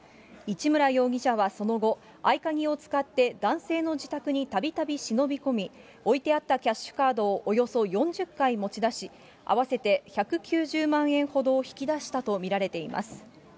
市村容疑者はその後、合鍵を使って男性の自宅にたびたび忍び込み、置いてあったキャッシュカードをおよそ４０回持ち出し、合わせて１９０万円ほどを引き出したと見られています。